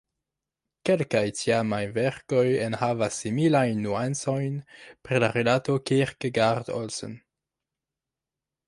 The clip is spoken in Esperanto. Kelkaj tiamaj verkoj enhavas similajn nuancojn pri la rilato Kierkegaard-Olsen.